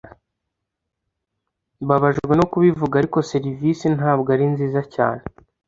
Mbabajwe no kubivuga, ariko serivisi ntabwo ari nziza cyane.